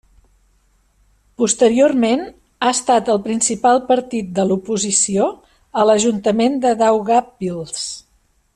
Posteriorment ha estat el principal partit de l'oposició a l'Ajuntament de Daugavpils.